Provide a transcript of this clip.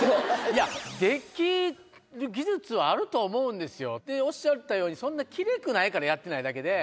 いや。と思うんですよでおっしゃったようにそんな奇麗くないからやってないだけで。